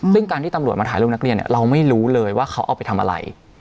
ซึ่งการที่ตำรวจมาถ่ายรูปนักเรียนเนี่ยเราไม่รู้เลยว่าเขาเอาไปทำอะไร